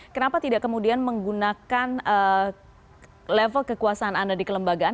kenapa tidak kemudian menggunakan level kekuasaan anda di kelembagaan